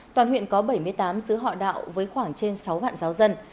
toàn huyện có bảy mươi tám sứ họ đạo với khoảng trên sáu vạn giáo dân